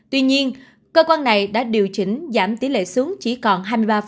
tuy nhiên cơ quan này đã điều chỉnh giảm tỷ lệ xuống chỉ còn hai mươi ba